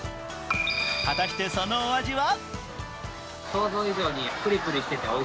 果たしてそのお味は？